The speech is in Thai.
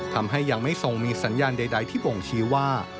ทำให้ยังไม่ทรงมีสัญญาณใดที่บ่งชี้ว่า